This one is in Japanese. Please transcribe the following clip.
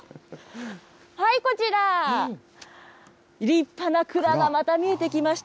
こちら、立派な蔵がまた見えてきました。